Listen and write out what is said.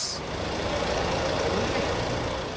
sementara di jawa timur